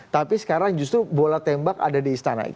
tapi sekarang justru bola tembak ada di istana